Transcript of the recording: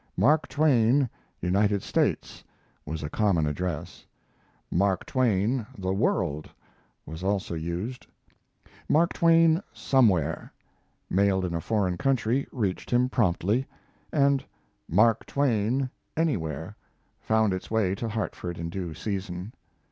"Mark Twain, United States," was a common address; "Mark Twain, The World," was also used; "Mark Twain, Somewhere," mailed in a foreign country, reached him promptly, and "Mark Twain, Anywhere," found its way to Hartford in due season.